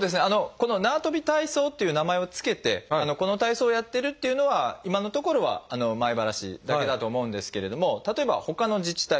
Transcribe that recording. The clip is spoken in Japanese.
この「なわとび体操」っていう名前を付けてこの体操をやってるっていうのは今のところは米原市だけだと思うんですけれども例えばほかの自治体